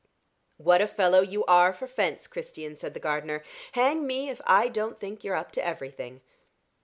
"What a fellow you are for fence, Christian," said the gardener. "Hang me, if I don't think you're up to everything."